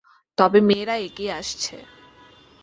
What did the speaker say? তবে মেয়েরা এগিয়ে আসছে।